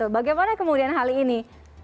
bagaimana kemudian hal ini